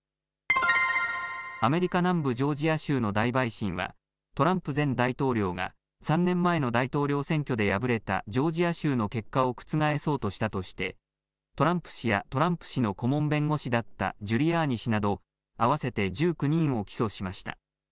アメリカ南部ジョージア州の大陪審は、トランプ前大統領が３年前の大統領選挙で敗れたジョージア州の結果を覆そうとしたとして、トランプ氏やトランプ氏の顧問弁護士だったジュリアーニ氏など、合わせて１９人を起訴しました。